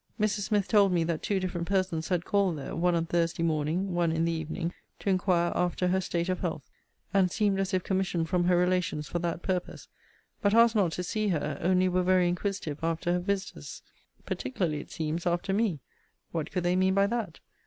Mrs. Smith told me that two different persons had called there, one on Thursday morning, one in the evening, to inquire after her state of health; and seemed as if commissioned from her relations for that purpose; but asked not to see her, only were very inquisitive after her visiters: (particularly, it seems, after me: What could they mean by that?)